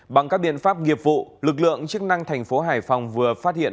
bằng các biện pháp nghiệp vụ lực lượng chức năng thành phố hải phòng vừa phát hiện